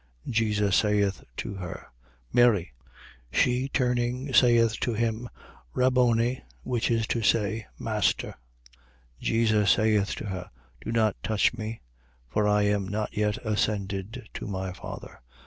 20:16. Jesus saith to her: Mary. She turning, saith to him: Rabboni (which is to say, Master). 20:17. Jesus saith to her: Do not touch me: for I am not yet ascended to my Father.